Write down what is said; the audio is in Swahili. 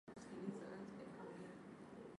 Kiwango cha maambukizi ya ukurutu kwa ngombe